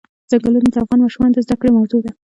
ځنګلونه د افغان ماشومانو د زده کړې موضوع ده.